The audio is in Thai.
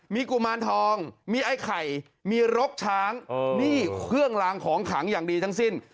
มีกุมารทองมีไอ้ไข่มีรกช้างนี่เครื่องลางของขังอย่างดีทั้งสิ้น